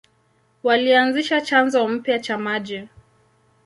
Walianzisha chanzo mpya cha maji.